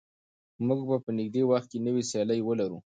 موږ به په نږدې وخت کې نوې سیالۍ ولرو.